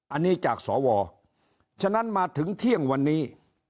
อันนี้จากสวฉะนั้นมาถึงเที่ยงวันนี้